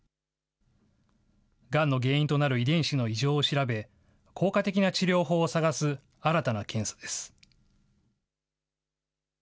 がんの原因となる遺伝子の異常を調べ、効果的な治療法を探す新たな検査です。